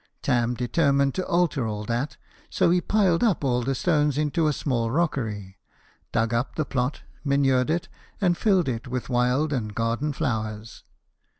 Tarn determined to alter all that, so he piled up all the stones into a small rockery, dug up the plot, manured it, and filled it with wild and garden flowers.